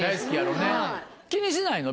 気にしないの？